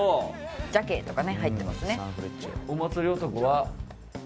「じゃけん」とかね入ってますね。